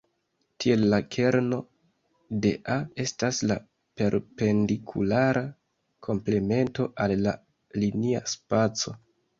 Tiel la kerno de "A" estas la perpendikulara komplemento al la linia spaco.